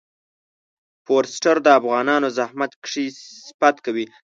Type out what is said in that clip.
فورسټر د افغانانو زحمت کښی صفت کوي.